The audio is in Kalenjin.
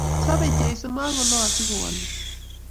Sobei Jesu, ma ko lo asikolawalun